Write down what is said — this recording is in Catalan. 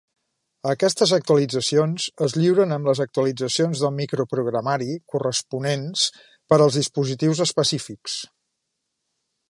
Aquestes actualitzacions es lliuren amb les actualitzacions de microprogramari corresponents per als dispositius específics.